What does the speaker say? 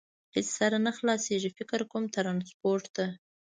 هېڅ سر نه خلاصېږي، فکر کوم، ترانسپورټ ته.